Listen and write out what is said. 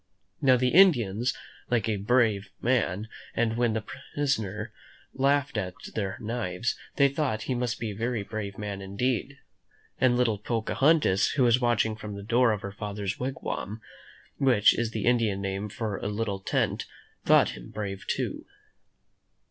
Now, the Indians like a brave man, and when their prisoner laughed at their knives, they thought he must be a very brave man indeed. And little Pocahontas, who was watching from the door of her father's wig wam, which is the Indian name for a little tent, thought him brave too.